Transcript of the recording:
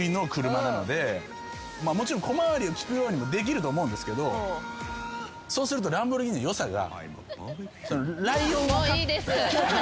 もちろん小回りを利くようにもできると思うんですけどそうするとランボルギーニの良さが。